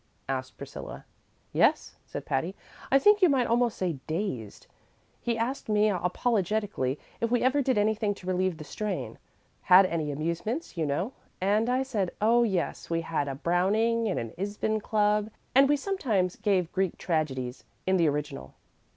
asked Priscilla. "Yes," said Patty; "I think you might almost say dazed. He asked me apologetically if we ever did anything to relieve the strain, had any amusements, you know, and I said, oh, yes; we had a Browning and an Ibsen club, and we sometimes gave Greek tragedies in the original.